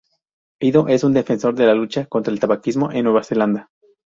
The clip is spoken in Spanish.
Ido es un defensor de la lucha contra el tabaquismo en Nueva Zelanda.